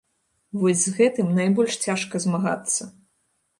Вось з гэтым найбольш цяжка змагацца.